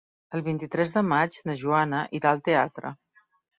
El vint-i-tres de maig na Joana irà al teatre.